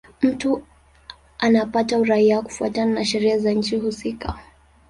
Mtu anapata uraia kufuatana na sheria za nchi husika.